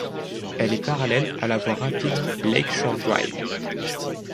Elle est parallèle à la voie rapide Lake Shore Drive.